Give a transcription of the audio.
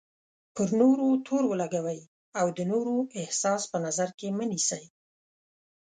پر نورو تور ولګوئ او د نورو احساس په نظر کې مه نیسئ.